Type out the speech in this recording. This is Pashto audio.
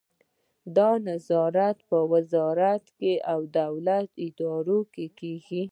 دا نظارت په وزارتونو او دولتي ادارو کې کیږي.